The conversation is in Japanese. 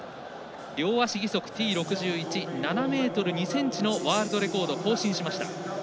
両足義足Ｔ６１７ｍ２ｃｍのワールドレコード更新しました。